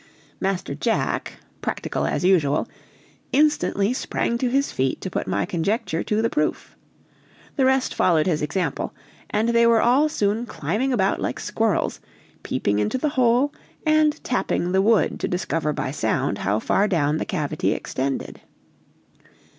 Master Jack, practical as usual, instantly sprang to his feet to put my conjecture to the proof. The rest followed his example, and they were all soon climbing about like squirrels, peeping into the hole, and tapping the wood to discover by sound how far down the cavity extended.